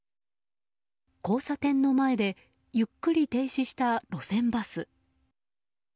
交差点の前でゆっくり停止した路線バス。